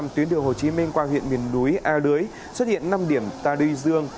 trên đường hồ chí minh qua huyện miền đúi a đưới xuất hiện năm điểm tà đuôi dương